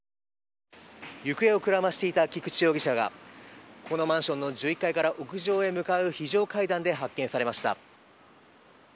行方をくらましていた菊池容疑者がこのマンションの１１階から屋上へ向かう非常階段で発見されました。